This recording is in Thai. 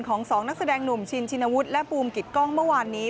ของสองนักแสดงหนุ่มชินชินวุฒิและบูมกิตกล้องเมื่อวานนี้